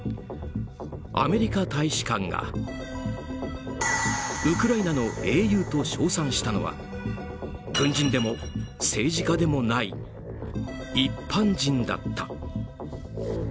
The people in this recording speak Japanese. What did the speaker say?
アメリカ大使館がウクライナの英雄と称賛したのが軍人でも政治家でもない一般人だった。